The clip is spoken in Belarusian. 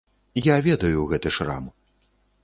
Я ведаю гэты шрам.